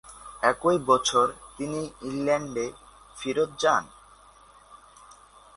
একই বছর তিনি ইংল্যান্ডে ফেরত যান।